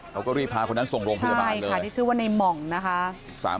เขาก็รีบพาคนนั้นส่งโรงพยาบาลใช่ค่ะที่ชื่อว่าในหม่องนะคะ